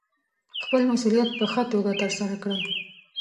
خپل مسوولیت په ښه توګه ترسره کړئ.